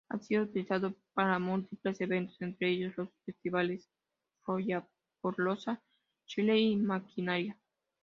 Ha sido utilizado para múltiples eventos, entre ellos, los festivales Lollapalooza Chile y Maquinaria.